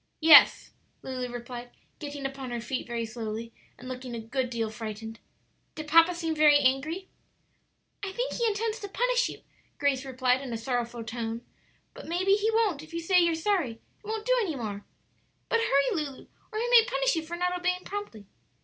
'" "Yes," Lulu replied, getting upon her feet very slowly, and looking a good deal frightened; "did papa seem very angry?" "I think he intends to punish you," Grace replied, in a sorrowful tone; "but maybe he won't if you say you're sorry and won't do so any more. But hurry, Lulu, or he may punish you for not obeying promptly."